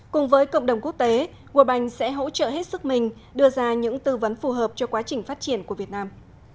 cùng với cộng đồng quốc tế world bank sẽ hỗ trợ hết sức mình đưa ra những tư vấn phù hợp cho quá trình phát triển của việt nam